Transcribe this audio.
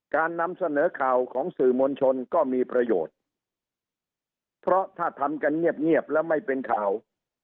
การนำเสนอข่าวของสื่อมวลชนก็มีประโยชน์เพราะถ้าทำกันเงียบแล้วไม่เป็นข่าว